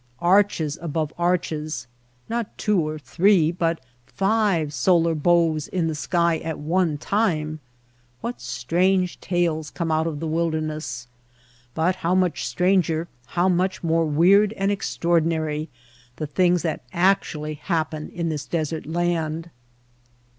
Arches above arches — not two or three but five solar bows in the sky at one time ! What strange tales come out of the wilderness ! But how much stranger, how much more weird and extraordinary the things that actually happen in this desert land.